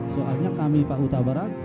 soalnya kami pak utabarak